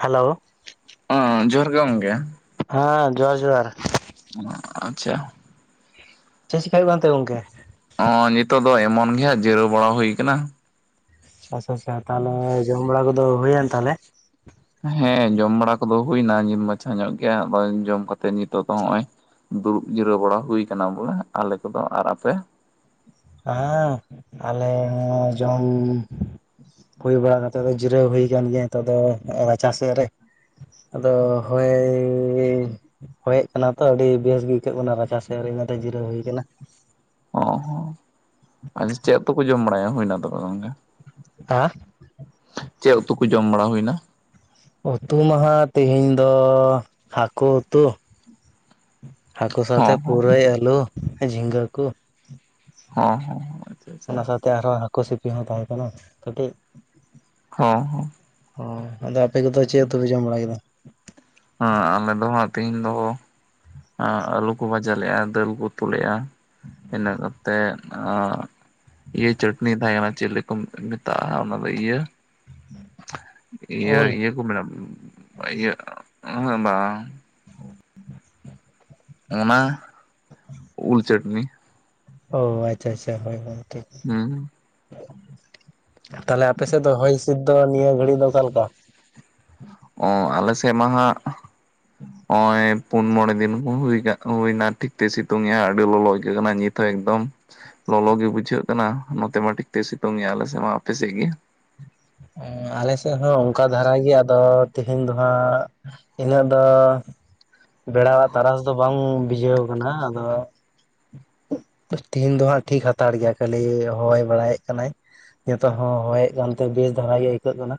Hello ᱦᱚᱸ ᱡᱚᱦᱟᱨ ᱜᱮ ᱜᱚᱝᱠᱮ ᱾ ᱦᱟᱸ ᱡᱚᱦᱟᱨ-ᱡᱚᱦᱟᱨ ᱾ ᱢᱟᱻ ᱟᱪᱪᱷᱟ ᱾ ᱪᱮ-ᱪᱤᱠᱟᱹᱭ ᱦᱩᱭᱩᱜ ᱠᱟᱱ ᱛᱮ ᱜᱚᱢᱠᱮ? ᱚᱸ ᱧᱤᱛᱚᱜ ᱫᱚ ᱮᱢᱚᱱ ᱜᱮ ᱦᱟᱸᱜ ᱡᱤᱨᱟᱹᱣ ᱵᱟᱲᱟ ᱦᱩᱭ ᱠᱟᱱᱟ ᱾ ᱟᱪᱪᱷᱟ-ᱟᱪᱪᱷᱟ ᱛᱟᱦᱚᱞᱮ, ᱡᱚᱢ ᱵᱟᱲᱟ ᱠᱚᱫᱚ ᱦᱩᱭᱮᱱ ᱛᱟᱦᱚᱞᱮ? ᱦᱮᱸ, ᱡᱚᱢ ᱵᱟᱲᱟ ᱠᱚᱫᱚ ᱦᱩᱭᱱᱟ ᱱᱤᱢ ᱢᱟᱪᱷᱟ ᱧᱚᱜ ᱜᱮᱭᱟ ᱟᱫᱚ ᱡᱚᱢ ᱠᱟᱛᱮᱜ ᱱᱤᱛᱚᱜ ᱫᱚ ᱦᱚᱜᱼᱚᱭ ᱫᱩᱲᱩᱵ ᱡᱤᱨᱟᱹᱣ ᱵᱟᱲᱟ ᱦᱩᱭ ᱟᱠᱟᱱᱟ ᱵᱚᱞᱮ ᱟᱞᱮ ᱠᱚᱫᱚ᱾ ᱟᱨ ᱟᱯᱮ? ᱦᱮᱸ, ᱟᱞᱮ ᱦᱚᱸ ᱡᱚᱢ ᱦᱩᱭ ᱵᱟᱲᱟ ᱠᱟᱛᱮ ᱫᱚ ᱡᱤᱨᱟᱹᱣ ᱦᱩᱭ ᱟᱠᱟᱱ ᱜᱮᱭᱟ ᱱᱤᱛᱚᱜ ᱫᱚ ᱨᱟᱪᱟᱥᱮᱜ ᱨᱮ᱾ ᱟᱫᱚ ᱦᱳᱻᱭ ᱦᱚᱭᱮᱜ ᱠᱟᱱᱟ ᱛᱚ ᱟᱹᱰᱤ ᱵᱮᱥ ᱜᱮ ᱤᱹᱭᱠᱟᱹᱜ ᱠᱟᱱᱟ ᱨᱟᱪᱟ ᱥᱮᱜ ᱨᱮ ᱤᱱᱟᱹᱛᱮ ᱡᱤᱨᱟᱹᱣ ᱦᱩᱭ ᱠᱟᱱᱟ ᱾ ᱚ ᱦᱚᱸ ᱟᱪ ᱪᱮᱫ ᱩᱛᱩ ᱠᱚ ᱡᱚᱢ ᱵᱟᱲᱟᱭᱟ ᱦᱩᱭᱱᱟ ᱛᱚᱵᱮ ᱜᱚᱝᱠᱮ? ᱟ ᱪᱮᱜ ᱩᱛᱩ ᱠᱚ ᱡᱚᱢ ᱵᱟᱲᱟ ᱦᱩᱭᱱᱟ? ᱩᱛᱩ ᱢᱟᱦᱟ ᱛᱤᱦᱤᱧ ᱫᱚ ᱦᱟᱹᱠᱳ ᱩᱛᱩ ᱾ ᱦᱟᱹᱠᱩ ᱥᱟᱛᱮ ᱦᱚᱸ ᱦᱚᱸ ᱯᱩᱨᱟᱹᱭ, ᱟᱹᱞᱩ, ᱟ-ᱡᱷᱤᱸᱜᱟᱹ ᱠᱩ ᱾ ᱦᱚᱸ-ᱦᱚᱸ-ᱦᱚ ᱾ ᱚᱱᱟ ᱥᱟᱶᱛᱮ ᱟᱨᱦᱚᱸ ᱦᱟᱹᱠᱩ ᱥᱤᱯᱤ ᱦᱚᱸ ᱛᱟᱦᱮᱸᱦ ᱠᱟᱱᱟ ᱠᱟᱹᱴᱤᱡ᱾ ᱦᱚᱸ ᱦᱚᱸ ᱚ ᱟᱫᱚ ᱟᱯᱮ ᱜᱮᱫᱚ ᱪᱮᱫ ᱩᱛᱩ ᱯᱮ ᱡᱚᱢ ᱵᱟᱲᱟ ᱠᱮᱫᱟ? ᱦᱮᱸ ᱟᱞᱮ ᱫᱚ ᱦᱟᱸᱜ ᱛᱤᱦᱤᱧ ᱫᱚ, ᱟᱹᱞᱩ ᱠᱚ ᱵᱷᱟᱡᱟ ᱞᱮᱫᱼᱟ ᱫᱟᱹᱞ ᱠᱚ ᱩᱛᱩ ᱞᱮᱫᱼᱟ᱾ ᱤᱱᱟᱹ ᱠᱟᱛᱮᱫ ᱚᱻ ᱤᱭᱟᱹ ᱪᱟᱹᱴᱱᱤ ᱛᱟᱦᱮᱸ ᱠᱟᱱᱟ ᱪᱤᱞᱤ ᱠᱚ ᱢᱮᱛᱟᱜᱼᱟ ᱚᱱᱟ ᱫᱚ ᱤᱭᱟᱹ ᱤᱭᱟᱹ ᱳᱞ ᱤᱭᱟᱹ ᱠᱚ ᱢᱮᱱᱟ ᱤᱭᱟᱹ ᱩᱱᱟᱹᱜ ᱵᱟᱝ ᱚᱱᱟ ᱩᱞ ᱪᱟᱹᱴᱱᱤ ᱾ ᱚ ᱟᱪᱪᱷᱟ ᱟᱪᱪᱷᱟ ᱦᱮ ᱦᱮ ᱴᱷᱤᱠ ᱾ ᱦᱩᱸ ᱾ ᱛᱟᱦᱚᱞᱮ ᱟᱯᱮ ᱥᱮᱫ ᱫᱚ ᱦᱚᱭ ᱦᱤᱸᱥᱤᱫ ᱫᱚ ᱱᱤᱭᱟᱹ ᱜᱷᱟᱹᱲᱤᱡ ᱫᱚ ᱚᱠᱟ ᱞᱮᱠᱟ? ᱚᱸ ᱟᱞᱮ ᱥᱮ ᱢᱟ ᱦᱟᱜ ᱚᱸᱭ ᱯᱩᱱ ᱢᱚᱬᱮ ᱫᱤᱱ ᱠᱩ ᱦᱩᱭ ᱠᱟᱜᱽ ᱦᱩᱭᱱᱟ ᱴᱷᱤᱠ ᱛᱮ ᱥᱤᱛᱩᱝ ᱮ ᱟᱹᱰᱤ ᱞᱚᱞᱚ ᱟᱹᱭᱠᱟᱹᱜ ᱠᱟᱱᱟ ᱱᱤᱛ ᱦᱚᱸ ᱮᱠᱫᱚᱢ ᱾ ᱞᱚᱞᱚ ᱜᱮ ᱵᱩᱡᱷᱟᱹᱜ ᱠᱟᱱᱟ ᱱᱚᱛᱮ ᱢᱟ ᱟᱹᱰᱤ ᱛᱮ ᱥᱤᱛᱩᱝ ᱮᱼᱟ ᱟᱞᱮ ᱥᱮ ᱢᱟ ᱾ ᱟᱯᱮ ᱥᱮᱜ ᱜᱮ? ᱮᱸ ᱟᱞᱮ ᱥᱮᱜ ᱦᱚᱸ ᱚᱝᱠᱟ ᱫᱷᱟᱨᱟ ᱜᱮ, ᱟᱫᱚ ᱛᱮᱦᱤᱧ ᱫᱚ ᱦᱟᱸᱜ ᱤᱱᱟᱹᱜ ᱫᱚ ᱵᱮᱲᱟᱣᱟᱜ ᱛᱟᱨᱟᱥ ᱫᱚ ᱵᱟᱝ ᱵᱷᱤᱡᱷᱟᱹᱣ ᱠᱟᱱᱟ ᱟᱫᱚ ᱛᱤᱦᱤᱧ ᱫᱚ ᱦᱟᱸᱜ ᱴᱷᱤᱠ ᱦᱟᱛᱟᱲ ᱜᱮᱭᱟ ᱠᱷᱟᱹᱞᱤ ᱦᱚᱭ ᱵᱟᱲᱟᱭᱮᱫ ᱠᱟᱱᱟᱭ ᱱᱤᱛᱚᱜ ᱦᱚᱸ ᱦᱚᱦᱚᱭᱮᱫ ᱠᱟᱱᱛᱮ ᱵᱮᱥ ᱫᱷᱟᱨᱟ ᱜᱮ ᱟᱹᱭᱠᱟᱹᱜ ᱠᱟᱱᱟ᱾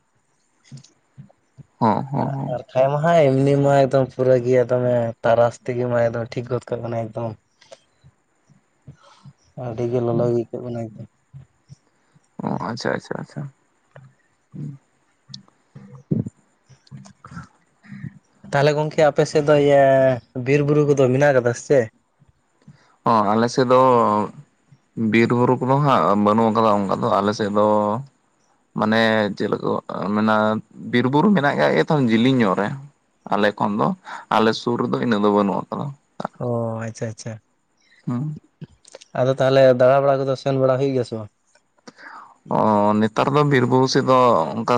ᱦᱚᱸ ᱦᱚᱸ ᱦᱚᱸ ᱟᱨ ᱠᱷᱟᱱ ᱢᱟ ᱦᱟᱸ ᱮᱢᱱᱤ ᱢᱟ ᱮᱠᱫᱚᱢ ᱯᱩᱨᱟᱹ ᱜᱮᱭᱟ ᱛᱚᱵᱮ ᱛᱟᱨᱟᱥ ᱛᱮᱜᱮ ᱢᱟ ᱮᱫᱚ ᱴᱷᱤᱠ ᱜᱚᱫ ᱠᱟᱜ ᱠᱟᱱᱟ ᱮᱠᱫᱚᱢ ᱟᱹᱰᱤ ᱜᱮ ᱞᱚᱞᱚ ᱜᱮ ᱟᱹᱭᱠᱟᱹᱜ ᱠᱟᱱᱟ ᱮᱠᱫᱚᱢ᱾ ᱚ ᱟᱪᱷᱟ ᱟᱪᱷᱟ ᱟᱪᱷᱟ ᱦᱩᱸ [inaudible] ᱛᱟᱦᱚᱞᱮ ᱜᱚᱝᱠᱮ ᱟᱯᱮ ᱥᱮᱫ ᱫᱚ ᱤᱭᱟᱹ ᱵᱤᱨ ᱵᱩᱨᱩ ᱠᱚᱫᱚ ᱢᱮᱱᱟᱜ ᱟᱠᱟᱫᱟ ᱥᱮ? ᱦᱚᱸ ᱟᱞᱮ ᱥᱮᱫ ᱫᱚ ᱵᱤᱨ ᱵᱩᱨᱩ ᱠᱚᱫᱚ ᱦᱟᱸᱜ ᱵᱟᱹᱱᱩᱜ ᱟᱠᱟᱫᱟ ᱚᱱᱠᱟ ᱫᱚ ᱟᱞᱮᱥᱮᱫ ᱫᱚ᱾ ᱢᱟᱱᱮ ᱪᱮᱫ ᱞᱮᱠᱚ ᱢᱮᱱᱼᱟ ᱵᱤᱨᱼᱵᱩᱨᱩ ᱢᱮᱱᱟᱜ ᱠᱟᱜ ᱜᱮᱭᱟ ᱛᱟᱦᱮᱱ ᱡᱤᱞᱤᱧ ᱧᱚᱜ ᱨᱮ ᱟᱞᱮ ᱠᱷᱚᱱ ᱫᱚ ᱟᱞᱮ ᱥᱩᱨ ᱨᱮᱫᱚ ᱤᱱᱟᱹᱜ ᱫᱚ ᱵᱟᱹᱱᱩᱜ ᱟᱠᱟᱫᱟ ᱚ ᱟᱪᱪᱷᱟ ᱟᱪᱪᱷᱟ ᱦᱩᱸ ᱟᱫᱚ ᱛᱟᱦᱚᱞᱮ ᱫᱟᱬᱟ ᱵᱟᱲᱟ ᱠᱚᱫᱚ ᱥᱮᱱ ᱵᱟᱲᱟ ᱦᱩᱭᱩᱜ ᱜᱮᱭᱟ ᱥᱮ ᱵᱟᱝ ᱚ ᱱᱮᱛᱟᱨ ᱫᱚ ᱵᱤᱨ ᱵᱩᱨᱩ ᱥᱮᱫ ᱫᱚ ᱚᱱᱠᱟ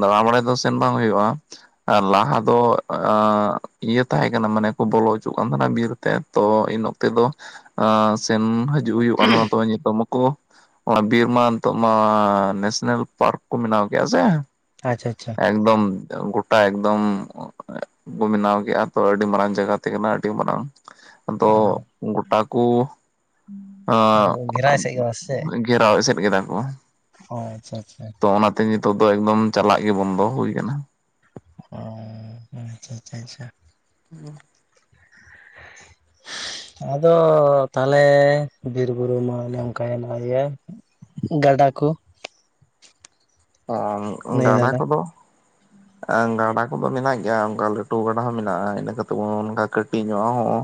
ᱫᱟᱬᱟ ᱵᱟᱲᱟᱭ ᱫᱚ ᱥᱮᱱ ᱵᱟᱝ ᱦᱩᱭᱩᱜᱼᱟ ᱟᱨ ᱞᱟᱦᱟ ᱫᱚ ᱤᱭᱟᱹ ᱛᱟᱦᱮᱸ ᱠᱟᱱᱟ ᱢᱟᱱᱮ ᱠᱚ ᱵᱚᱞᱚ ᱦᱚᱪᱚᱜ ᱠᱟᱱ ᱛᱟᱦᱮᱱᱟ ᱵᱤᱨ ᱛᱚ ᱤᱱ ᱚᱠᱛ ᱫᱚ ᱥᱮᱱ ᱦᱤᱡᱩᱜ ᱦᱩᱭᱩᱜ ᱠᱟᱱ ᱛᱟᱦᱮᱱᱟ ᱛᱚ ᱱᱤᱛᱚᱜ ᱢᱟᱠᱚ ᱚᱱᱟ ᱵᱤᱨ ᱢᱟ ᱱᱤᱛᱚᱜ ᱢᱟ ᱱᱮᱥᱱᱮᱞ ᱯᱟᱨᱠ ᱠᱚ ᱵᱮᱱᱟᱣ ᱠᱮᱫᱼᱟ ᱥᱮ ᱟᱪᱷᱟ ᱟᱪᱷᱟ ᱮᱠᱫᱚᱢ ᱜᱳᱴᱟ ᱮᱠᱫᱚᱢ ᱵᱮᱱᱟᱣ ᱠᱮᱫᱼᱟ ᱛᱚ ᱟᱹᱰᱤ ᱢᱟᱨᱟᱝ ᱡᱟᱭᱜᱟ ᱛᱮ ᱠᱟᱱᱟ ᱟᱹᱰᱤ ᱢᱟᱨᱟᱝ ᱟᱫᱚ ᱜᱚᱴᱟ ᱠᱩ ᱚ ᱜᱷᱮᱨᱟᱭ ᱥᱮᱫ ᱜᱮ ᱵᱟᱝ ᱥᱮ ᱪᱮᱫ? ᱚᱸ [inaudible] ᱜᱷᱮᱨᱟᱣ ᱮᱥᱮᱫ ᱠᱮᱫᱟ ᱠᱚ ᱚ ᱟᱪᱪᱷᱟ ᱟᱪᱪᱷᱟ ᱛᱚ ᱚᱱᱟᱛᱮ ᱱᱤᱛᱚᱜ ᱫᱚ ᱮᱠᱫᱚᱢ ᱪᱟᱞᱟᱜ ᱜᱮ ᱵᱚᱱᱫᱚ ᱦᱩᱭᱩ ᱟᱠᱟᱱᱟ ᱚᱻ ᱟᱪᱷᱟ ᱟᱪᱪᱷᱟ ᱟᱪᱪᱷᱟ ᱦᱮᱸ ᱟᱫᱚ ᱛᱟᱦᱚᱞᱮ ᱵᱤᱨ ᱵᱩᱨᱩ ᱢᱟ ᱚᱱᱮ ᱚᱱᱠᱟᱭᱮᱱᱟ ᱤᱭᱟᱹ ᱜᱟᱰᱟ ᱠᱚ ᱱᱟᱹᱭ ᱜᱟᱰᱟ ᱱᱟᱞᱟ ᱠᱚᱫᱚ ᱜᱟᱰᱟ ᱠᱚᱫᱚ ᱢᱮᱱᱟᱜ ᱜᱮᱭᱟ ᱚᱱᱠᱟ ᱞᱟᱹᱴᱩ ᱜᱟᱰᱟ ᱦᱚᱸ ᱢᱮᱱᱟᱜᱼᱟ ᱤᱱᱟᱹᱠᱟᱛᱮᱫ ᱵᱚᱱ ᱚᱱᱠᱟ ᱠᱟᱹᱴᱤᱡ ᱧᱚᱜᱟᱜ ᱦᱚᱸ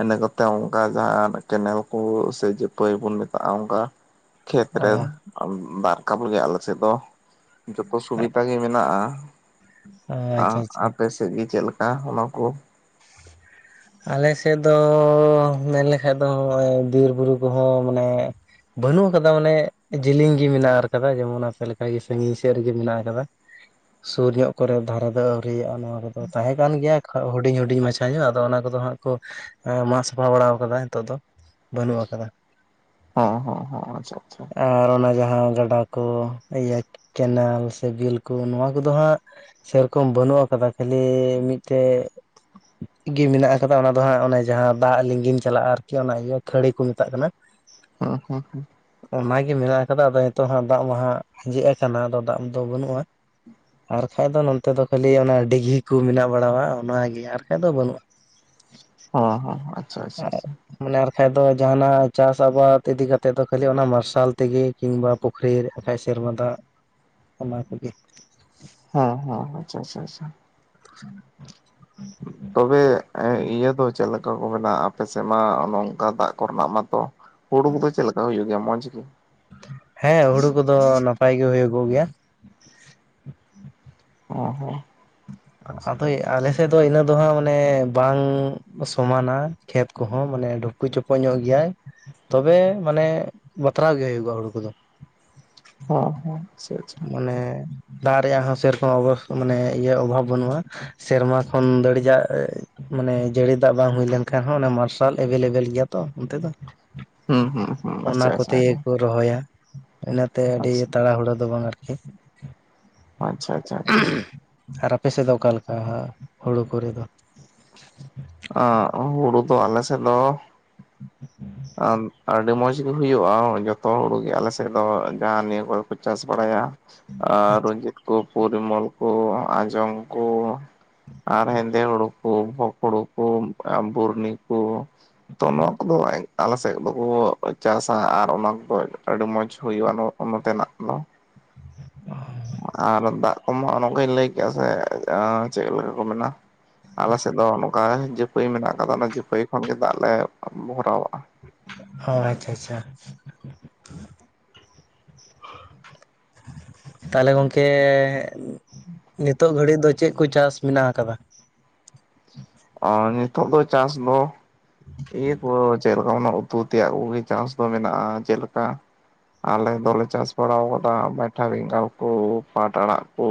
ᱤᱱᱟᱹ ᱠᱚᱛᱮ ᱚᱱᱠᱟ ᱡᱟᱦᱟᱸ ᱠᱮᱱᱮᱞ ᱠᱚ ᱥᱮ ᱡᱟ. ᱯᱟᱹᱭ ᱵᱚᱱ ᱢᱮᱛᱟᱜᱼᱟ ᱚᱱᱠᱟ ᱠᱷᱮᱛ ᱚ ᱨᱮ ᱫᱟᱜ ᱨᱟᱠᱟᱵ ᱞᱟᱹᱜᱤᱫ ᱟᱞᱮ ᱥᱮᱫ ᱫᱚ ᱡᱚᱛᱚ ᱥᱩᱵᱤᱫᱷᱟ ᱜᱮ ᱢᱮᱱᱟᱜᱼᱟ ᱟ ᱟᱪᱪᱷᱟ ᱟᱪᱪᱷᱟ ᱟᱯᱮ ᱥᱮᱫ ᱜᱮ ᱪᱮᱫ ᱞᱮᱠᱟ ᱚᱱᱟ ᱠᱚ? [inaudible] ᱟᱞᱮ ᱥᱮᱫ ᱫᱚ ᱢᱮᱱᱞᱠᱷᱟᱡ ᱫᱚ ᱱᱚᱜᱼᱚᱭ ᱵᱤᱨᱼᱵᱩᱨᱩ ᱠᱚᱦᱚᱸ ᱢᱟᱱᱮ ᱵᱟᱹᱱᱩᱜ ᱠᱟᱫᱟ ᱢᱟᱱᱮ ᱡᱤᱞᱤᱧ ᱜᱮ ᱢᱮᱱᱟᱜ ᱟᱠᱟᱫᱟ ᱡᱮᱢᱚᱱ ᱟᱯᱮᱫ ᱞᱮᱠᱟ ᱜᱮ ᱥᱟᱺᱜᱤᱧ ᱥᱮᱫ ᱨᱮᱜᱮ ᱢᱮᱱᱟᱜ ᱟᱠᱟᱫᱟ ᱥᱩᱨ ᱧᱚᱜ ᱠᱚᱨᱮ ᱫᱷᱟᱨᱮ ᱫᱚ ᱟᱹᱣᱨᱤᱭᱟᱜᱼᱟ ᱱᱚᱶᱟ ᱨᱮᱫᱚ ᱛᱟᱦᱮᱸ ᱠᱟᱱ ᱜᱮᱭᱟ ᱦᱩᱰᱤᱧ ᱦᱩᱰᱤᱧ ᱦᱩᱰᱤᱧ ᱢᱟᱪᱷᱟ ᱧᱚᱜ ᱟᱫᱚ ᱚᱱᱟ ᱠᱚᱫᱚ ᱦᱟᱸᱜ ᱠᱚ ᱢᱟᱜ ᱥᱟᱯᱷᱟ ᱵᱟᱲᱟ ᱠᱟᱫᱟ ᱱᱤᱛᱚᱜ ᱫᱚ ᱵᱟᱹᱱᱩᱜ ᱟᱠᱟᱫᱟ ᱦᱚᱸ ᱦᱚᱸ ᱦᱚᱸ ᱟᱪᱪᱷᱟ ᱟᱪᱪᱷᱟ ᱟᱨ ᱚᱱᱟ ᱡᱟᱦᱟᱸ ᱜᱟᱰᱟ ᱠᱚ ᱤᱭᱟᱹ ᱠᱮᱱᱮᱞ ᱥᱮ ᱵᱤᱞ ᱠᱚ ᱱᱚᱣᱟ ᱠᱚᱫᱚ ᱦᱟᱸᱜ ᱥᱮᱨᱚᱠᱚᱢ ᱵᱟᱹᱱᱩᱜ ᱟᱠᱟᱫᱟ ᱠᱷᱟᱹᱞᱤ ᱢᱤᱫᱴᱮᱡ ᱜᱤ ᱢᱮᱱᱟᱜ ᱟᱠᱟᱫᱟ ᱚᱱᱟ ᱫᱚ ᱦᱟᱸᱜ ᱚᱱᱮ ᱡᱟᱦᱟᱸ ᱫᱟᱜ ᱞᱤᱸᱜᱤᱱ ᱪᱟᱞᱟᱜᱼᱟ ᱟᱨᱠᱤ ᱚᱱᱟ ᱤᱭᱟᱹ ᱠᱷᱟᱹᱲᱤ ᱠᱚ ᱢᱮᱛᱟᱜ ᱠᱟᱱᱟ [unintelligible] ᱦᱩᱸ ᱦᱩᱸ ᱦᱩᱸ ᱚᱱᱟ ᱜᱮ ᱢᱮᱱᱟᱜ ᱟᱠᱟᱫᱟ ᱟᱫᱚ ᱱᱤᱛᱚᱜ ᱦᱟᱸᱜ ᱫᱟᱜ ᱢᱟ ᱦᱟᱜ ᱟᱸᱡᱮᱫ ᱟᱠᱟᱱᱟ ᱟᱫᱚ ᱫᱟᱜ ᱫᱚ ᱵᱟᱹᱱᱩᱜᱼᱟ ᱟᱨ ᱠᱷᱟᱡ ᱫᱚ ᱱᱚᱱᱛᱮ ᱫᱚ ᱠᱷᱟᱞᱤ ᱚᱱᱟ ᱰᱤᱜᱷᱤ ᱠᱚ ᱢᱮᱱᱟᱜ ᱵᱟᱲᱟᱣᱟ ᱚᱱᱟᱜᱮ ᱟᱨᱠᱟᱡ ᱫᱚ ᱵᱟᱹᱱᱩᱜᱼᱟ ᱚᱸ ᱟᱪᱷᱟ ᱟᱪᱷᱟ ᱟᱪᱷᱟ ᱢᱚᱱᱮ ᱟᱨ ᱠᱷᱟᱡ ᱫᱚ ᱡᱟᱦᱟᱸᱱᱟᱜ ᱪᱟᱥ ᱟᱵᱟᱫ ᱤᱫᱤ ᱠᱟᱛᱮᱫ ᱫᱚ ᱠᱷᱟᱞᱤ ᱚᱱᱟ ᱢᱟᱨᱥᱟᱞ ᱛᱮᱜᱮ ᱠᱤᱝᱵᱟ ᱯᱩᱠᱷᱨᱤ ᱵᱟᱠᱷᱟᱡ ᱥᱮᱨᱢᱟ ᱫᱟᱜ ᱚᱱᱟ ᱠᱚᱜᱮ ᱦᱚᱸ ᱦᱚᱸ ᱟᱪᱷᱟ ᱟᱪᱷᱟ ᱟᱪᱷᱟ [unintelligible] ᱛᱚᱵᱮ ᱮᱸᱜ ᱦᱮᱸ ᱤᱭᱟᱹ ᱫᱚ ᱪᱮᱫ ᱞᱮᱠᱟ ᱠᱚ ᱵᱮᱱᱟᱣᱼᱟ ᱟᱯᱮ ᱥᱮᱫ ᱢᱟ ᱱᱚᱝᱠᱟ ᱫᱟᱜ ᱠᱚᱨᱮᱱᱟᱜ ᱢᱟᱛᱚ ᱦᱩᱲᱩ ᱠᱚᱫᱚ ᱪᱮᱫ ᱞᱮᱠᱟ ᱦᱩᱭᱩᱜ ᱜᱮᱭᱟ ᱢᱚᱸᱡᱽ ᱜᱮ? ᱦᱮᱸ ᱦᱩᱲᱩ ᱠᱚᱫᱚ ᱱᱟᱯᱟᱭ ᱜᱮ ᱦᱩᱭᱩᱜ ᱠᱚᱜ ᱜᱮᱭᱟ ᱚ ᱦᱚᱸ ᱟᱪᱪᱷᱟ ᱟᱫᱚ ᱟᱞᱮ ᱥᱮᱫ ᱫᱚ ᱤᱱᱟᱹ ᱫᱚ ᱦᱟᱸᱜ ᱢᱟᱱᱮ ᱵᱟᱝ ᱥᱚᱢᱟᱱᱟ ᱠᱷᱮᱛ ᱠᱚᱦᱚᱸ ᱢᱟᱱᱮ ᱰᱷᱩᱠᱩ ᱪᱩᱠᱩ ᱧᱚᱜ ᱜᱮᱭᱟᱭ ᱛᱚᱵᱮ ᱢᱟᱱᱮ ᱵᱟᱛᱨᱟᱣ ᱜᱮ ᱦᱩᱭᱩᱜᱼᱟ ᱦᱩᱲᱩ ᱠᱚᱫᱚ ᱦᱚᱸ ᱦᱚᱸ ᱥᱮᱸ [inaudible] ᱢᱟᱱᱮ ᱫᱟᱜ ᱨᱮᱭᱟᱜ ᱦᱚᱸ ᱥᱮᱨᱚᱠᱚᱢ ᱵᱚᱥ ᱢᱟᱱᱮ ᱤᱭᱟᱹ ᱚᱵᱷᱟᱵ ᱵᱟᱹᱱᱩᱜᱼᱟ ᱥᱮᱨᱢᱟ ᱠᱷᱚᱱ ᱫᱟᱹᱲᱤᱡᱟᱜᱼᱮ ᱢᱟᱱᱮ ᱡᱟᱹᱲᱤ ᱫᱟᱜ ᱵᱟᱝ ᱦᱩᱭ ᱞᱮᱱ ᱠᱷᱟᱱ ᱦᱚᱸ ᱚᱱᱟ ᱢᱟᱨᱥᱟᱞ ᱮᱵᱮᱞᱮᱵᱮᱞ ᱜᱮᱭᱟ ᱛᱚ ᱚᱱᱛᱮ ᱫᱚ ᱦᱩᱸ ᱦᱩᱸ ᱦᱩᱸ ᱚᱱᱟ ᱟᱪᱪᱷᱟ ᱟᱪᱪᱷᱟ ᱠᱚᱛᱮ ᱟᱪᱪᱷᱟ ᱜᱮᱠᱚ ᱨᱚᱦᱚᱭᱟ ᱤᱱᱟᱹᱛᱮ ᱟᱹᱰᱤ ᱛᱟᱲᱟ ᱦᱩᱲᱟᱹ ᱫᱚ ᱵᱟᱝ ᱟ [unintelligible] ᱟᱪᱷᱟ ᱟᱪᱷᱟ ᱟᱪᱷᱟ ᱟᱨ ᱟᱯᱮ ᱥᱮᱜ ᱫᱚ ᱚᱠᱟ ᱞᱮᱠᱟ ᱦᱩᱲᱩ ᱠᱚᱨᱮ ᱫᱚ? ᱟᱸᱜ ᱦᱩᱲᱩ ᱫᱚ ᱟᱞᱮ ᱥᱮᱫ ᱫᱚ ᱟᱸ ᱟᱹᱰᱤ ᱢᱚᱸᱡᱽ ᱦᱩᱭᱩᱜᱼᱟ ᱡᱚᱛᱚ ᱦᱩᱲᱩ ᱜᱮ ᱟᱞᱮ ᱥᱮᱫ ᱫᱚ ᱡᱟᱦᱟᱸ ᱱᱤᱭᱟᱹ ᱠᱚᱨᱮ ᱠᱚ ᱪᱟᱥ ᱵᱟᱲᱟᱭᱟ ᱟᱨ ᱟᱪᱪᱷᱟ ᱨᱚᱧᱡᱤᱛ ᱠᱚ ᱯᱚᱨᱤᱢᱚᱞ ᱠᱚ ᱟᱸᱡᱚᱢ ᱠᱚ ᱟᱨ ᱦᱮᱸᱫᱮ ᱦᱩᱲᱩ ᱠᱩ ᱵᱷᱩᱠ ᱦᱩᱲᱩ ᱠᱩ ᱵᱩᱨᱱᱤ ᱠᱩ ᱛᱚ ᱱᱚᱶᱟ ᱠᱚᱫᱚ ᱟᱞ ᱥᱮᱜ ᱫᱚᱠᱚ ᱪᱟᱥᱟ ᱟᱨ ᱚᱱᱟ ᱠᱚᱫᱚ ᱟᱹᱰᱤ ᱢᱚᱸᱡᱽ ᱦᱩᱭᱩᱜᱼᱟ ᱱᱚᱛᱮ ᱱᱟᱜ ᱫᱚ ᱟᱨ ᱫᱟᱜ ᱠᱚᱢᱟ ᱚᱱ ᱚᱱᱠᱟᱧ ᱞᱟᱹᱭ ᱠᱮᱜᱼᱟ ᱥᱮ ᱪᱮᱫ ᱞᱮᱠᱟ ᱠᱚ ᱢᱮᱱᱟ? ᱟᱞᱮ ᱥᱮᱫ ᱫᱚ ᱱᱚᱝᱠᱟ ᱡᱟᱹᱯᱟᱹᱭ ᱢᱮᱱᱟᱜ ᱠᱟᱫᱟ ᱚᱱᱟ ᱡᱟᱹᱯᱟᱹᱭ ᱠᱷᱚᱱ ᱜᱮ ᱫᱟᱜ ᱞᱮ ᱵᱷᱚᱨᱟᱣ ᱣᱟᱜᱼᱟ᱾ ᱚᱸ ᱟᱪᱷᱟ ᱟᱪᱷᱟ ᱛᱟᱦᱚᱞᱮ ᱜᱚᱝᱠᱮ ᱱᱤᱛᱳᱜ ᱜᱷᱟᱹᱲᱤᱡ ᱫᱚ ᱪᱮᱫ ᱠᱚ ᱪᱟᱥ ᱢᱮᱱᱟᱜ ᱠᱟᱫᱟ? ᱟᱨ ᱱᱤᱛᱚᱜ ᱫᱚ ᱪᱟᱥ ᱫᱚ ᱤᱭᱟᱹ ᱠᱚ ᱪᱮᱫ ᱞᱮᱠᱟ ᱚᱱᱟ ᱩᱛᱩ ᱛᱮᱭᱟᱜ ᱠᱚᱜᱮ ᱪᱟᱥ ᱫᱚ ᱢᱮᱱᱟᱜᱼᱟ ᱪᱮᱜ ᱞᱮᱠᱟ? ᱟᱞᱮ ᱫᱚᱞᱮ ᱪᱟᱥ ᱵᱟᱲᱟ ᱟᱠᱟᱫᱟ ᱢᱮᱴᱷᱟ ᱵᱮᱸᱜᱟᱲ ᱠᱚ ᱯᱟᱴ ᱟᱲᱟᱜ ᱠᱚ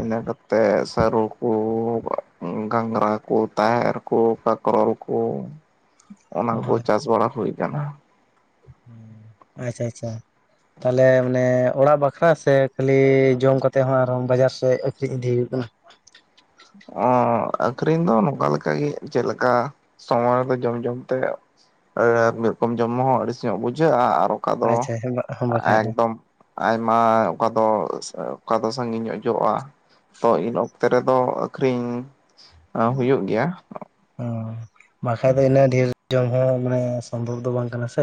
ᱤᱱᱟᱹ ᱠᱟᱛᱮᱜ ᱥᱟᱹᱨᱩ ᱠᱚ ᱜᱷᱟᱸᱜᱨᱟ ᱠᱚ ᱛᱟᱦᱮᱨ ᱠᱚ ᱠᱟᱠᱨᱚᱞ ᱠᱚ ᱚᱱᱟ ᱠᱚ ᱦᱳᱭ ᱪᱟᱥ ᱵᱟᱲᱟ ᱦᱩᱭ ᱠᱟᱱᱟ ᱩᱸ ᱟᱪᱷᱟ ᱟᱪᱷᱟ ᱛᱟᱦᱚᱸ ᱞᱮ ᱢᱟᱱᱮ ᱚᱲᱟᱜ ᱵᱟᱠᱷᱨᱟ ᱥᱮ ᱠᱷᱟᱞᱤ ᱡᱚᱢ ᱠᱟᱛᱮᱜ ᱦᱚᱸ ᱾ ᱟᱨ ᱦᱚᱸ ᱵᱟᱡᱟᱨ ᱥᱮᱜ ᱟᱠᱷᱨᱤᱧ ᱤᱫᱤ ᱦᱩᱭᱩᱜ ᱠᱟᱱᱟ? ᱚᱸᱻ ᱟᱹᱠᱷᱨᱤᱧ ᱫᱚ ᱱᱚᱝᱠᱟ ᱞᱮᱠᱟ ᱜᱤ ᱪᱮᱜ ᱞᱮᱠᱟ ᱥᱚᱢᱚᱭ ᱨᱮᱫᱚ ᱡᱚᱢ ᱡᱚᱢᱛᱮ ᱢᱤᱫ ᱨᱚᱠᱚᱢ ᱡᱚᱢ ᱦᱚᱸ ᱟᱹᱲᱤᱥ ᱧᱚᱜ ᱵᱩᱡᱷᱟᱹᱜᱼᱟ ᱟᱨ ᱚᱠᱟ ᱫᱚ ᱟᱪᱪᱷᱟ ᱟᱪᱪᱷᱟ ᱵᱟᱠᱷᱟᱡ ᱫᱚ ᱮᱠᱫᱚᱢ ᱟᱭᱢᱟ ᱚᱠᱟ ᱫᱚ ᱚᱠᱟ ᱫᱚ ᱥᱟᱺᱜᱤᱧ ᱡᱚᱜᱼᱟ ᱛᱚ ᱤᱱ ᱚᱠᱛᱮ ᱨᱮᱫᱚ ᱟᱠᱷᱨᱤᱧ ᱦᱩᱭᱩᱜ ᱜᱮᱭᱟ᱾ ᱚᱸ ᱵᱟᱠᱷᱟᱡ ᱫᱚ ᱤᱱᱟᱹᱜ ᱰᱷᱮᱨ ᱡᱚᱢ ᱦᱚᱸ ᱢᱟᱱᱮ ᱥᱚᱢᱵᱷᱚᱵ ᱫᱚ ᱵᱟᱝ ᱠᱟᱱᱟ ᱥᱮ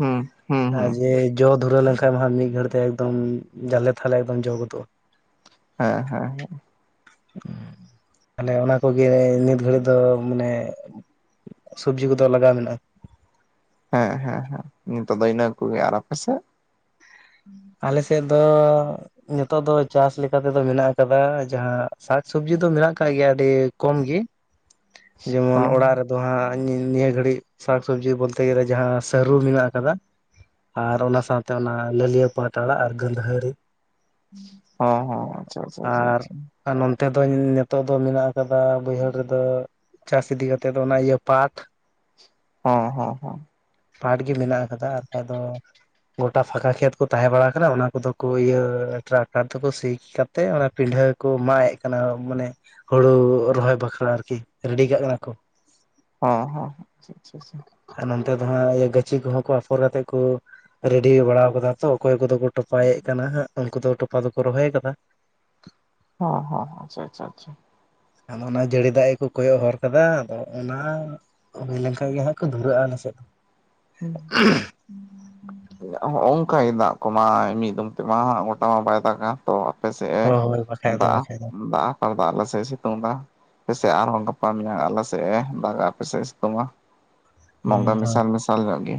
ᱦᱩᱸ ᱦᱩᱸ ᱦᱟᱹᱦ ᱦᱩᱸ ᱡᱮ ᱡᱚ ᱫᱷᱩᱨᱟᱹᱣ ᱞᱮᱱ ᱠᱷᱟᱡ ᱢᱟ ᱢᱤᱫ ᱜᱷᱟᱹᱲᱤᱡ ᱛᱮ ᱮᱠᱫᱚᱢ ᱡᱟᱞᱮ ᱛᱷᱟᱦᱞᱮ ᱮᱠᱫᱚᱢ ᱡᱚ ᱜᱚᱫᱚᱜᱼᱟ ᱦᱮᱸ ᱦᱮᱸ ᱦᱮᱸ ᱟᱞᱮ ᱚᱱᱟ ᱠᱚᱜᱮ ᱱᱤᱛ ᱜᱷᱟᱹᱲᱤᱡ ᱫᱚ ᱢᱟᱱᱮ ᱥᱚᱵᱡᱤ ᱠᱚᱫᱚ ᱞᱟᱜᱟᱣ ᱢᱮᱱᱟᱜᱼᱟ᱾ ᱦᱮᱸ ᱦᱮᱸ ᱦᱮᱸ ᱱᱤᱛᱚᱜ ᱫᱚ ᱤᱱᱟᱹ ᱠᱚᱜᱮ ᱟᱨᱚ ᱯᱮᱥᱮ ᱟᱞᱮ ᱥᱮᱫ ᱫᱚ ᱱᱤᱛᱚᱜ ᱫᱚ ᱪᱟᱥ ᱞᱮᱠᱟᱛᱮᱫᱚ ᱢᱮᱱᱟᱜ ᱟᱠᱟᱫᱟ ᱡᱟᱦᱟᱸ ᱥᱟᱠᱥᱚᱵᱡᱤ ᱫᱚ ᱢᱮᱱᱟᱜ ᱟᱠᱟᱫ ᱜᱮᱭᱟ ᱟᱹᱰᱤ ᱠᱚᱢᱜᱤ᱾ ᱡᱮᱢᱚᱱ ᱦᱚᱸ ᱚᱲᱟᱜ ᱨᱮᱫ ᱫᱚ ᱦᱟᱸᱜ ᱱᱤᱭᱟᱹ ᱜᱷᱟᱹᱲᱤᱡ ᱥᱟᱠ ᱥᱚᱵᱽᱡᱤ ᱵᱚᱞᱛᱮ ᱜᱮᱞᱮ ᱡᱟᱦᱟᱸ ᱥᱟᱹᱨᱩ ᱢᱮᱱᱟᱜ ᱠᱟᱫᱟ ᱟᱨ ᱚᱱᱟ ᱥᱟᱶᱛᱮ ᱚᱱᱟ ᱞᱟᱹᱞᱞᱤᱭᱟᱹ ᱯᱟᱴ ᱟᱲᱟᱜ ᱟᱨ ᱜᱟᱹᱫᱷᱟᱹᱨᱤ ᱦᱚᱸ ᱦᱚᱸ ᱟᱪᱷᱟ ᱟᱪᱷᱟ ᱟᱪᱷᱟ ᱟᱨ ᱟᱪᱷᱟ ᱟᱨ ᱱᱚᱱᱛᱮ ᱫᱚ ᱱᱤᱛᱚᱜ ᱫᱚ ᱢᱮᱱᱟᱜ ᱠᱟᱫᱟ ᱵᱟᱹᱭᱦᱟᱹᱲ ᱨᱮᱫᱚ ᱪᱟᱥ ᱤᱫᱤ ᱠᱟᱛᱮᱜ ᱫᱚ ᱚᱱᱟ ᱤᱭᱟᱹ ᱯᱟᱴ ᱦᱚᱸ ᱦᱚᱸ ᱦᱚᱸ ᱯᱟᱴ ᱜᱮ ᱢᱮᱱᱟᱜ ᱟᱠᱟᱫᱟ ᱟᱨ ᱵᱟᱠᱷᱟᱡ ᱫᱚ ᱜᱚᱴᱟᱥ ᱯᱷᱟᱸᱠᱟ ᱠᱷᱮᱛ ᱠᱚ ᱛᱟᱦᱮᱸ ᱵᱟᱲᱟ ᱠᱟᱱᱟ ᱚᱱᱟ ᱠᱚᱫᱚ ᱠᱚ ᱤᱭᱟᱹ ᱴᱨᱟᱠᱴᱟᱨ ᱛᱮᱠᱚ ᱥᱤᱛᱮᱜ ᱚᱱᱟ ᱯᱤᱰᱷᱟᱹ ᱠᱚ ᱢᱟᱭᱮᱜ ᱠᱟᱱᱟ ᱢᱟᱱᱮ ᱦᱳᱲᱳ ᱨᱚᱦᱚᱭ ᱵᱟᱠᱷᱨᱟ ᱟᱨᱠᱤ ᱨᱮᱰᱤ ᱠᱟᱜ ᱠᱟᱱᱟ ᱠᱚ ᱦᱚᱸ ᱦᱚᱸ ᱟᱪᱷᱟ ᱟᱪᱷᱟ ᱟᱨ ᱱᱚᱱᱛᱮ ᱫᱚ ᱦᱟᱸᱜ ᱤᱭᱟᱹ ᱜᱟᱹᱪᱷᱤ ᱠᱚᱦᱚᱸ ᱠᱚ ᱟᱯᱷᱚᱨᱟᱛᱮᱫ ᱠᱚ ᱨᱮᱰᱤ ᱵᱟᱲᱟ ᱠᱟᱫᱟ ᱛᱚ ᱚᱠᱚᱭ ᱠᱚᱫᱚ ᱠᱚ ᱴᱚᱯᱟᱭᱮᱫ ᱠᱟᱱᱟᱜ ᱩᱱᱠᱩ ᱫᱚ ᱴᱚᱯᱟ ᱫᱚᱠᱚ ᱨᱚᱦᱚᱭ ᱟᱠᱟᱫᱟ᱾ [inaudible] ᱦᱚᱸ ᱦᱚᱸ ᱟᱪᱪᱷᱟ ᱟᱪᱪᱷᱟ ᱟᱪᱷᱟ ᱟᱫᱚ ᱚᱱᱟ ᱡᱟᱹᱲᱤ ᱫᱟᱜ ᱜᱮᱠᱚ ᱠᱚᱭᱚᱜ ᱦᱚᱨ ᱟᱠᱟᱫᱟ ᱟᱫᱚ ᱚᱱᱟ ᱦᱩᱭ ᱞᱮᱱᱠᱷᱟᱱ ᱜᱮ ᱦᱟᱸᱜ᱾ ᱠᱚ ᱫᱷᱩᱨᱟᱹᱜᱼᱟ ᱟᱞᱮ ᱥᱮᱫ ᱫᱚ ᱦᱚᱸᱜ ᱚᱝᱠᱟᱭ ᱫᱟᱜ ᱠᱚᱢᱟ ᱢᱤᱫ ᱫᱚᱢ ᱛᱮᱢᱟ ᱜᱚᱴᱟ ᱢᱟ ᱵᱟᱭ ᱫᱟᱜᱟ᱾ ᱛᱚ ᱟᱯᱮ ᱥᱮᱜᱼᱮ ᱦᱳᱭ ᱦᱳᱭ ᱵᱟᱠᱷᱟᱡ ᱫᱚ ᱫᱟᱜᱼᱟ ᱵᱟᱠᱷᱟᱡ ᱫᱚ ᱫᱟᱜ ᱦᱟᱛᱟᱲ ᱫᱟ ᱟᱞᱮ ᱥᱮᱜᱼᱮ ᱥᱤᱛᱩᱝ ᱫᱟ᱾ ᱟᱯᱮᱥᱮᱫ ᱟᱨᱦᱚᱸ ᱜᱟᱯᱟ ᱢᱮᱭᱟᱝ ᱟᱞᱮ ᱥᱮᱫ-ᱮ ᱫᱟᱜᱟ ᱟᱯᱮ ᱥᱮᱫ-ᱮ ᱥᱤᱛᱩᱝᱟ᱾ ᱢᱚᱝᱜᱟ ᱦᱩᱸ ᱦᱳᱭ ᱢᱮᱥᱟᱞ ᱢᱮᱥᱟᱞ ᱧᱚᱜ ᱜᱤ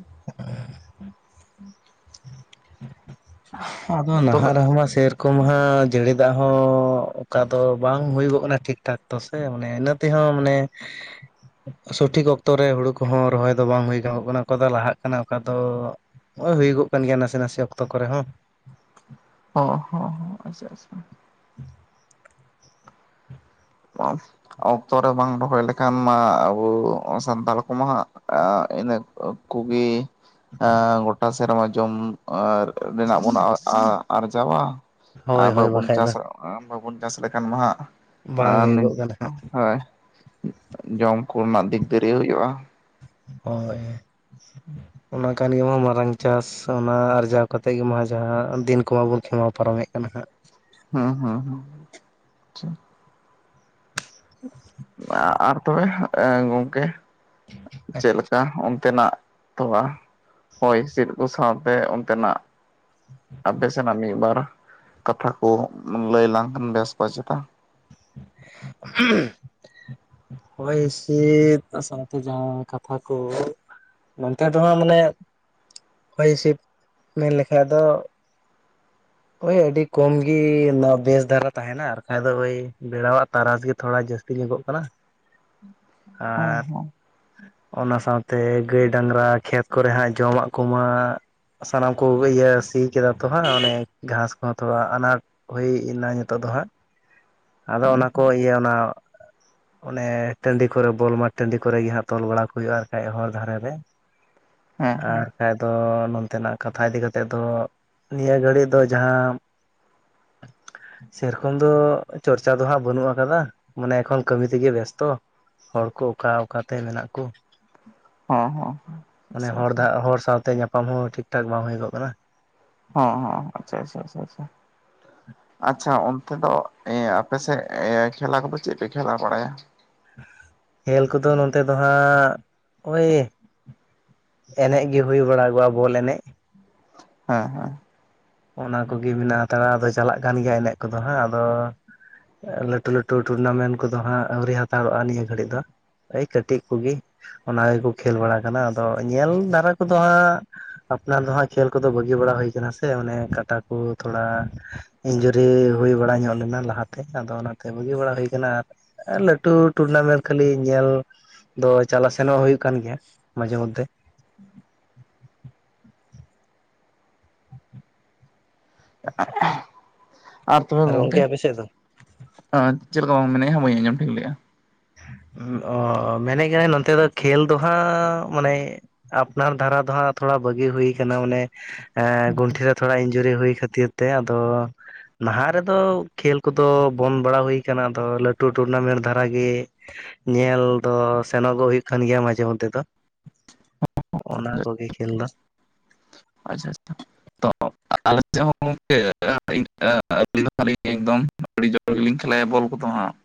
[unintelligible] [unintelligible] ᱦᱚ ᱟᱫᱚ ᱛᱚᱵᱮ ᱱᱟᱦᱟᱜ ᱨᱮᱦᱚᱸ ᱢᱟ ᱥᱮᱹᱨᱠᱚᱢᱦᱟ ᱡᱟᱹᱲᱤ ᱫᱟᱜ ᱦᱚᱸ ᱚᱠᱟ ᱫᱚ ᱵᱟᱝ ᱦᱩᱭ ᱜᱚᱜ ᱠᱟᱱᱟ ᱴᱷᱤᱠᱴᱷᱟᱠ᱾ ᱛᱚ ᱥᱮ ᱚᱱᱮ ᱤᱱᱟᱹ ᱛᱮᱦᱚᱸ ᱢᱟᱱᱮ ᱥᱚᱴᱷᱤᱠ ᱚᱠᱛᱚ ᱨᱮ ᱦᱩᱲᱩ ᱠᱚᱦᱚᱸ ᱨᱚᱦᱚᱭ ᱫᱚ ᱵᱟᱝ ᱦᱩᱭ ᱜᱚᱜ ᱠᱟᱱᱟ, ᱚᱠᱟ ᱫᱚ ᱞᱟᱦᱟᱜ ᱠᱟᱱᱟ ᱚᱠᱟ ᱫᱚ ᱱᱚᱜ ᱚᱭ ᱦᱩᱭ ᱜᱚᱜ ᱠᱟᱱ ᱜᱮᱭᱟ ᱱᱟᱥᱮᱹ ᱱᱟᱥᱮᱹ ᱚᱠᱛᱚ ᱠᱚᱨᱮ ᱦᱚᱸ ᱦᱚᱸ ᱦᱚᱸ ᱦᱚᱸ ᱟᱪᱪᱷᱟ ᱟᱪᱪᱷᱟ [unintelligible] [unintelligible] ᱚᱠᱛᱚ ᱨᱮ ᱵᱟᱝ ᱨᱚᱦᱚᱭ ᱞᱮᱠᱷᱟᱱ ᱢᱟ ᱟᱵᱚ ᱥᱟᱱᱛᱟᱞ ᱠᱚᱢᱟ ᱦᱟᱸᱜ ᱟᱸᱻ ᱤᱱᱟᱹ ᱚᱠ ᱠᱚᱜᱤ ᱮᱣ ᱜᱚᱴᱟ ᱥᱮᱨᱢᱟ ᱡᱚᱢ ᱟᱨ ᱨᱮᱱᱟᱜ ᱵᱚᱱ ᱟ ᱟ ᱟᱨᱡᱟᱣᱟ? ᱟ ᱦᱳᱭ ᱦᱳᱭ ᱵᱟᱵᱚᱱ ᱵᱟᱠᱷᱟᱡ ᱫᱚ ᱪᱟᱥ, ᱟ ᱵᱟᱵᱚᱱ ᱪᱟᱥ ᱞᱮᱠᱷᱟᱱ ᱢᱟ ᱦᱟᱜ᱾ ᱟ ᱵᱟᱝ ᱦᱩᱭᱩᱜᱚᱜ ᱠᱟᱱᱟ ᱦᱟᱸᱜ [unintelligible] ᱡᱚᱢ ᱠᱚᱱᱟᱜ ᱫᱤᱠ ᱫᱟᱹᱨᱤᱭᱟᱹ ᱦᱩᱭᱩᱜᱼᱟ ᱦᱳᱭ ᱚᱱᱟ ᱜᱮ ᱠᱟᱱ ᱜᱮᱢᱟ ᱢᱟᱨᱟᱝ ᱪᱟᱥ ᱚᱱᱟ ᱟᱨᱡᱟᱣ ᱠᱟᱛᱮᱫ ᱜᱮᱢᱟ ᱡᱟᱦᱟ ᱫᱤᱱ ᱠᱚᱢᱟ ᱵᱚᱱ ᱠᱷᱮᱢᱟᱣ ᱯᱟᱨᱚᱢᱮᱫ ᱠᱟᱱᱟ ᱦᱟᱸᱜ᱾ ᱦᱩᱸ ᱦᱩᱸ ᱦᱩ [inaudible] ᱟ ᱟᱨ ᱛᱚᱵᱮ ᱮᱸ ᱜᱚᱝᱠᱮ ᱪᱮᱫ ᱞᱮᱠᱟ? ᱛᱮᱱᱟᱜ ᱛᱷᱚᱞᱟ ᱦᱚᱭ ᱦᱤᱸᱥᱤᱫ ᱠᱚ ᱥᱟᱶᱛᱮ ᱚᱱᱛᱮᱱᱟᱜ, ᱟᱯᱮ ᱥᱮᱱᱟᱜ ᱢᱤᱫ ᱵᱟᱨ ᱠᱟᱛᱷᱟ ᱠᱚ ᱞᱟᱹᱭ ᱞᱟᱝ ᱵᱮᱥ ᱵᱟ ᱪᱮᱛᱟ? [unintelligible] ᱦᱚᱭ ᱦᱤᱥᱤᱫ ᱟ ᱥᱟᱶᱛᱮ ᱡᱟᱦᱟᱸ ᱠᱟᱛᱷᱟ ᱠᱚ᱾ ᱱᱚᱱᱛᱮ ᱫᱚ ᱦᱟᱜ ᱢᱟᱱᱮ ᱦᱚᱭ ᱦᱤᱥᱤᱫ ᱢᱮᱱ ᱞᱮᱠᱷᱟᱡ ᱫᱚ, ᱳᱭ ᱟᱹᱰᱤ ᱠᱚᱢ ᱜᱤᱻ ᱚᱱᱟ ᱵᱮᱥ ᱫᱷᱟᱨᱟ ᱛᱟᱦᱮᱱᱟ ᱟᱨ ᱵᱟᱠᱷᱟᱡ ᱫᱚ ᱳᱭ ᱵᱮᱲᱟᱣᱟᱜ ᱛᱟᱨᱟᱥ ᱜᱮ ᱛᱷᱚᱲᱟ ᱡᱟᱹᱥ ᱴᱤᱧᱚᱜᱚᱜ ᱠᱟᱱᱟ ᱦᱮᱸ ᱟᱨ ᱦᱮᱸ ᱚᱱᱟ ᱥᱟᱶᱛᱮ ᱜᱟᱹᱭ ᱰᱟᱝᱨᱟ ᱠᱷᱮᱛ ᱠᱚᱨᱮ ᱦᱟᱸᱜ ᱡᱚᱢᱟᱜ ᱠᱚᱢᱟ ᱥᱟᱱᱟᱢ ᱠᱚ ᱤᱭᱟᱹ ᱥᱤ ᱠᱮᱫᱟ ᱛᱚ ᱦᱟᱸᱜ ᱚᱱᱮ ᱜᱷᱟᱸᱥ ᱠᱚᱦᱚᱸ ᱛᱷᱚᱲᱟ ᱟᱱᱟᱴ ᱦᱩᱭ ᱮᱱᱟ ᱱᱤᱛᱚᱜ ᱫᱚ ᱦᱟᱸᱜ ᱟᱫᱚ ᱦᱮᱸ ᱚᱱᱟ ᱠᱚ ᱤᱭᱟᱹ ᱚᱱᱟ ᱚᱱᱮ ᱴᱟᱺᱰᱤ ᱠᱚᱨᱮ ᱵᱚᱞ ᱢᱟᱴ ᱴᱟᱺᱰᱤ ᱠᱚᱨᱮ ᱜᱮ ᱦᱟᱸᱜ ᱛᱚᱞ ᱵᱟᱲᱟ ᱠᱚ ᱦᱩᱭᱩᱜᱼᱟ᱾ ᱟᱨᱠᱷᱟᱡ ᱦᱚᱨ ᱫᱷᱟᱨᱮ ᱨᱮ ᱟᱨ ᱦᱮᱸ ᱵᱟᱝᱠᱷᱟᱡ ᱫᱚ ᱱᱚᱱᱛᱮᱱᱟᱜ ᱠᱟᱛᱷᱟ ᱤᱫᱤ ᱠᱟᱛᱮᱫ ᱫᱚ᱾ ᱱᱤᱭᱟᱹ ᱜᱷᱟᱹᱲᱤ ᱫᱚ ᱡᱟᱦᱟᱢ ᱥᱮᱨᱚᱠᱚᱢ ᱫᱚ᱾ ᱪᱚᱨᱪᱟ ᱫᱚ ᱦᱟᱸᱜ ᱵᱟᱹᱱᱩᱜ ᱟᱠᱟᱫᱟ ᱢᱟᱱᱮ ᱮᱠᱷᱚᱱ ᱠᱟᱹᱢᱤ ᱛᱮᱜᱮ ᱵᱮᱥᱛᱚ ᱾ ᱦᱚᱲ ᱠᱚ ᱚᱠᱟ ᱚᱠᱟᱛᱮ ᱢᱮᱱᱟᱜ ᱠᱚ᱾ ᱦᱚᱸ ᱦᱚᱸ ᱦᱚᱸ ᱚᱱᱮ ᱟᱪᱪᱷᱟ ᱟᱪᱪᱷᱟ ᱦᱚᱲ ᱫᱟᱜ ᱦᱚᱲ ᱥᱟᱶᱛᱮ ᱧᱟᱯᱟᱢ ᱦᱚᱸ ᱴᱷᱤᱠ ᱴᱷᱟᱠ ᱵᱟᱝ ᱦᱩᱭ ᱜᱚᱜ ᱠᱟᱱᱟ᱾ ᱦᱚᱸ ᱦᱚᱸ ᱟᱪᱪᱷᱟ ᱟᱪᱪᱷᱟ ᱟᱪᱪᱷᱟ ᱟᱪᱪᱷᱟ ᱟᱪᱷᱟ ᱚᱱᱛᱮ ᱫᱚ ᱮ ᱟᱯᱮ ᱥᱮᱫ ᱮ ᱠᱷᱮᱞᱟ ᱠᱚᱫᱚ ᱪᱮᱫ ᱯᱮ ᱠᱷᱮᱞᱟ ᱵᱟᱲᱟᱭᱟ? ᱠᱷᱮᱞ ᱠᱚᱫᱚ ᱱᱚᱛᱮ ᱫᱚ ᱦᱟᱸᱜ ᱳᱭᱮᱭ ᱮᱱᱮᱡ ᱜᱮ ᱦᱩᱭ ᱵᱟᱲᱟᱜᱚᱜᱼᱟ ᱵᱚᱞ ᱮᱱᱮᱡ ᱦᱮᱸ ᱦᱮᱸ ᱚᱱᱟ ᱠᱚᱜᱮ ᱢᱮᱱᱟᱜ ᱦᱟᱛᱟᱲᱟ ᱟᱫᱚ ᱪᱟᱞᱟᱜ ᱠᱟᱱ ᱜᱮᱭᱟ ᱮᱱᱮᱡ ᱠᱚᱫᱚ ᱦᱟᱸᱜ ᱟᱫᱚ ᱞᱟᱹᱴᱩ ᱞᱟᱹᱴᱩ ᱴᱩᱨᱱᱟᱢᱮᱱᱴ ᱠᱚᱫᱚ ᱦᱟᱸᱜ ᱟᱹᱣᱨᱤ ᱦᱟᱛᱟᱲᱚᱜᱼᱟ ᱱᱤᱭᱟᱹ ᱜᱷᱟᱹᱲᱤᱡ ᱫᱚ ᱟᱹᱭ ᱠᱟᱹᱴᱤᱡ ᱠᱚᱜᱮ ᱚᱱᱟ ᱜᱮᱠᱚ ᱠᱷᱮᱞ ᱵᱟᱲᱟ ᱠᱟᱱᱟ ᱟᱫᱚ ᱧᱮᱞ ᱫᱟᱨᱟ ᱠᱚᱫᱚ ᱦᱟᱸᱜ ᱟᱯᱱᱟᱨ ᱫᱚᱦᱟᱸᱜ ᱠᱷᱮᱞ ᱠᱚᱫᱚ ᱵᱟᱹᱜᱤ ᱵᱟᱲᱟ ᱦᱩᱭ ᱠᱟᱱᱟ ᱥᱮ ᱚᱱᱮ ᱠᱟᱴᱟ ᱠᱚ ᱛᱷᱚᱲᱟ ᱤᱧᱡᱩᱨᱤ ᱦᱩᱭ ᱵᱟᱲᱟ ᱧᱚᱜ ᱞᱮᱱᱟ ᱞᱟᱦᱟᱛᱮ ᱟᱫᱚ ᱚᱱᱟᱛᱮ ᱵᱟᱹᱜᱤ ᱵᱟᱲᱟ ᱦᱩᱭ ᱟᱠᱟᱱᱟ ᱟᱨ ᱞᱟᱹᱴᱩ ᱴᱩᱨᱱᱟᱢᱮᱱᱴ ᱠᱷᱟᱹᱞᱤ ᱧᱮᱞ ᱫᱚ ᱪᱟᱞᱟᱜ ᱥᱮᱱᱚᱜ ᱦᱩᱭᱩᱜ ᱠᱟᱱ ᱜᱮᱭᱟ ᱢᱟᱡᱷᱮ ᱢᱚᱫᱽᱫᱷᱮ ᱟᱨ ᱛᱚᱵᱮ ᱜᱚᱢᱠᱮ ᱜᱚᱝᱠᱮ ᱟᱯᱮ ᱥᱮᱫ ᱫᱚ ᱪᱮᱫ ᱠᱚᱢ ᱢᱮᱱᱮᱫ ᱟ ᱦᱟᱸᱜ ᱵᱟᱹᱧ ᱟᱸᱡᱚᱢ ᱴᱷᱤᱠ ᱞᱮᱜᱼᱟ? ᱚ ᱢᱮᱱᱮᱫ ᱠᱟᱹᱱᱟᱹᱧ ᱱᱚᱛᱮ ᱫᱚ ᱠᱷᱮᱞ ᱫᱚᱦᱟᱸᱜ ᱢᱟᱱᱮ ᱟᱯᱱᱟᱨ ᱫᱷᱟᱨᱟ ᱫᱚ ᱦᱟᱸᱜ ᱛᱷᱚᱲᱟ ᱵᱟᱹᱜᱤ ᱦᱩᱭ ᱟᱠᱟᱱᱟ ᱚᱱᱮ ᱮᱸ ᱜᱩᱱᱴᱷᱮ ᱨᱮ ᱛᱷᱚᱲᱟ ᱤᱧᱡᱩᱨᱤ ᱦᱩᱭ ᱠᱷᱟᱹᱛᱤᱨ ᱛᱮ ᱟᱫᱚ ᱱᱟᱦᱟᱜ ᱨᱮᱫᱚ ᱠᱷᱮᱹᱞ ᱠᱚᱫᱚ ᱵᱚᱱᱫ ᱵᱟᱲᱟ ᱦᱩᱭ ᱠᱟᱱᱟ ᱟᱫᱚ ᱞᱟᱹᱴᱩ ᱴᱩᱨᱱᱟᱢᱮᱱᱴ ᱫᱷᱟᱨᱟ ᱜᱮ ᱧᱮᱞ ᱫᱚ ᱥᱮᱱᱚᱜᱚᱜ ᱦᱩᱭᱩᱜ ᱠᱟᱱ ᱜᱮᱭᱟ ᱢᱟᱡᱷᱮ ᱢᱚᱫᱽᱫᱷᱮ ᱫᱚ ᱚᱱᱟ ᱠᱚᱜᱮ ᱠᱷᱮᱞ ᱫᱚ ᱟᱪᱷᱟ ᱟᱪᱷᱟ [inaudible] ᱟᱞᱮ ᱥᱮᱫ ᱦᱚᱸ ᱜᱚᱢᱠᱮ [inaudible] [inaudible] ᱮᱠᱫᱚᱢ ᱟᱹᱰᱤ ᱡᱳᱨ ᱜᱮᱞᱤᱧ ᱠᱷᱮᱞᱟᱭᱟ ᱵᱚᱞ ᱠᱚᱫᱚ ᱦᱟᱸᱜ